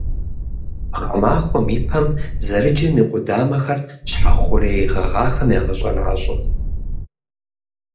Гъэмахуэм и пэм зэрыджэм и къудамэхэр щхьэ хъурей гъэгъахэм ягъэщӀэращӀэ.